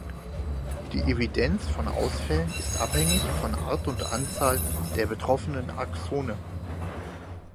Die Evidenz von Ausfällen ist abhängig von Art und Anzahl der betroffenen Axone.